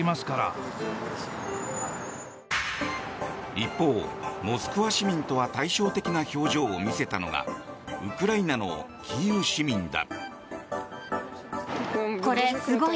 一方、モスクワ市民とは対照的な表情を見せたのがウクライナのキーウ市民だ。